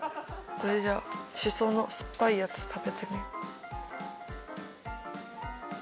これじゃあシソの酸っぱいやつ食べてみよう。